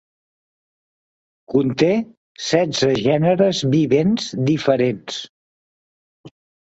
Conté setze gèneres vivents diferents.